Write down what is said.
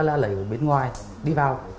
lấy ở bên ngoài đi vào